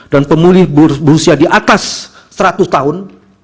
dan pemilih berusia di atas seratus tahun